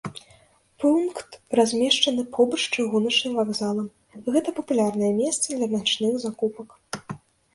Пункт размешчаны побач з чыгуначным вакзалам, гэта папулярнае месца для начных закупак.